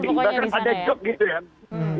bahkan ada joke gitu ya